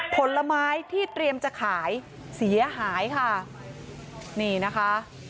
ผลไม้ที่เตรียมจะขายเสียหายค่ะนี่นะคะ